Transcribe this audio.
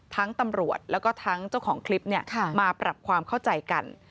ตำรวจแล้วก็ทั้งเจ้าของคลิปมาปรับความเข้าใจกัน